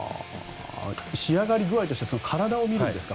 仕上がり具合としては体を見るんですか？